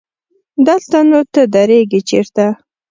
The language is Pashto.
دلته نو ته درېږې چېرته؟